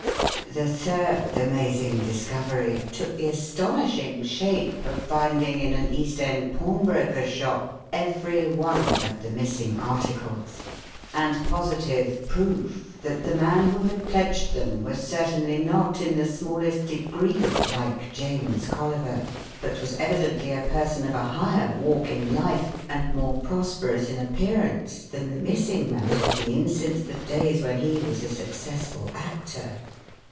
The third amazing discovery took the astonishing shape of finding in an East End pawnbroker's shop every one of the missing articles, and positive proof that the man who had pledged them was certainly not in the smallest degree like James Colliver, but was evidently a person of a higher walk in life and more prosperous in appearance than the missing man had been since the days when he was a successful actor.